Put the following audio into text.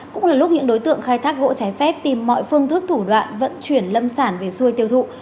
cũng là lúc những đối tượng khai thác gỗ trái phép tìm mọi phương thức thủ đoạn vận chuyển lâm sản về xuôi tiêu thụ